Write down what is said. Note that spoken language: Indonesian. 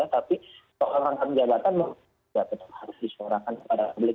tapi orang orang terjabatan tidak tetap harus disorakan kepada publik